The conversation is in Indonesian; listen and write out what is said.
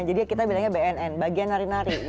jadi kita bilangnya bnn bagian nari nari